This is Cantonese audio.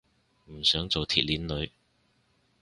唔想做鐵鏈女